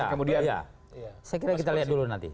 saya kira kita lihat dulu nanti